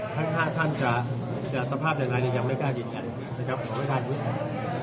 ทั้ง๕ท่านจะสภาพใดยังไม่กล้าเย็นขอบคุณท่าน